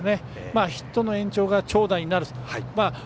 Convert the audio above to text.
ヒットの延長が長打になると。